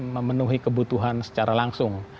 memenuhi kebutuhan secara langsung